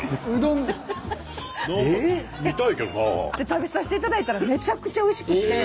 食べさせていただいたらめちゃくちゃおいしくて。